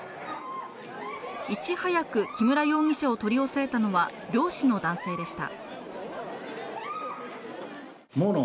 いち早く木村容疑者を取り押さえたのは漁師の男性でした。